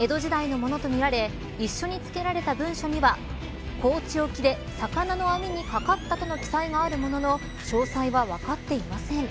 江戸時代のものとみられ一緒に付けられた文書には高知沖で魚の網にかかったとの記載があるものの詳細は分かっていません。